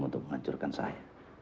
untuk menghancurkan saya